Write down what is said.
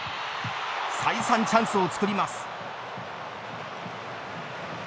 再三チャンスをつくります。